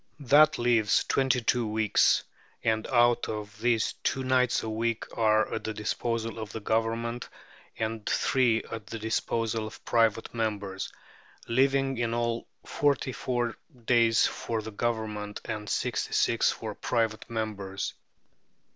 That leaves twenty two weeks, and out of these two nights a week are at the disposal of the Government and three at the disposal of private members; leaving in all forty four days for the Government and sixty six for private members.